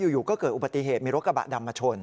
อยู่ก็เกิดอุบัติเหตุมีรถกระบะดำมาชน